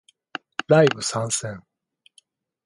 ライブ参戦